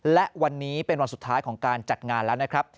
และวันนี้เป็นวันสุดท้ายของการจัดงานแล้วนะครับ